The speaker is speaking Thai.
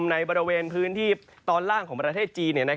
ในบริเวณพื้นที่ตอนล่างของประเทศจีน